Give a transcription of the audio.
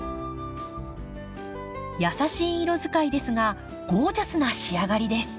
優しい色使いですがゴージャスな仕上がりです。